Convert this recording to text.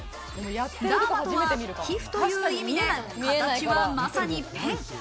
ダーマとは皮膚という意味で、形はまさにペン。